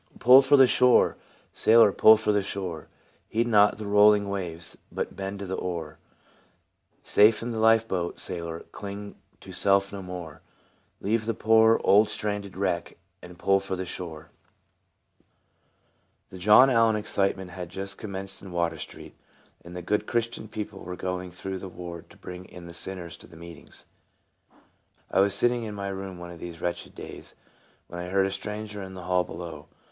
" Pull for the shore, sailor, pull for the shore ; Heed not the rolling waves, but bend to the oar ? Safe in the life boat, sailor, cling to self no more; Leave the poor old stranded wreck, and pull for the shore !" THE John Allen excitement had just com menced in Water street, and the good Chris tian people were going through the ward to bring in the sinners to the meetings. I was sitting in my room one of these wretched days, when I heard a stranger in the hall be low.